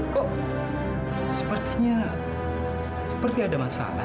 kok sepertinya seperti ada masalah